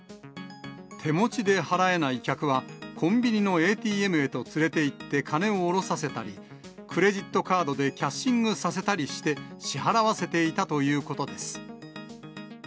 手持ちで払えない客はコンビニのＡＴＭへと連れていって金を下ろさせたり、クレジットカードでキャッシングさせたりして、支払わせていたということです。